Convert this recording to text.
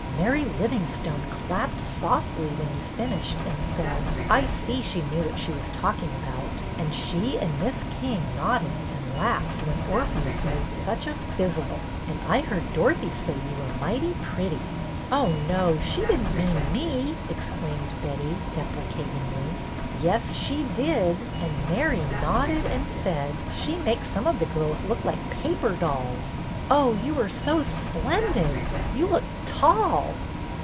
Mary Livingstone clapped softly when you finished and said, ' I see she knew what she was talking about,' and she and Miss King nodded and laughed when Orpheus made such a fizzle. And I heard Dorothy say you were mighty pretty." " Oh, no, she did n't mean me," exclaimed Betty, deprecatingly. " Yes, she did ; and Mary nodded and said, ' She makes some of the girls look like paper dolls.' Oh, you were so splendid! You looked tall.